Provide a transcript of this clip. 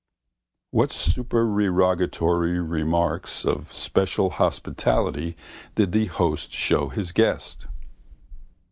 What supererogatory marks of special hospitality did the host show his guest?